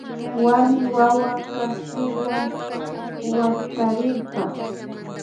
Warmi wawa kaspiwa waktarirka